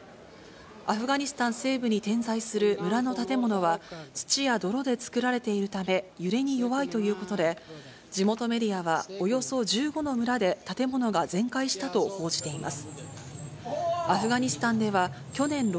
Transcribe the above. アフガニスタン西部に点在する村の建物は、土や泥で作られているため、揺れに弱いということで、地元メディアは、およそ１５の村で建物が全壊したと報じています。